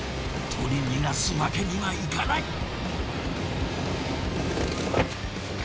とり逃がすわけにはいかない。